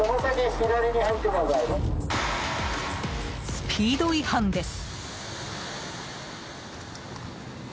スピード違反です。